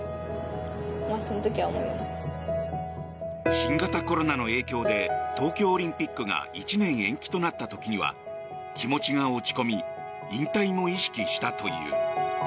新型コロナの影響で東京オリンピックが１年延期となった時には気持ちが落ち込み引退も意識したという。